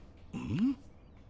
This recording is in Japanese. ん？